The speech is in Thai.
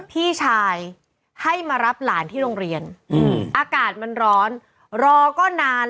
พี่ชายให้มารับหลานที่โรงเรียนอากาศมันร้อนรอก็นาน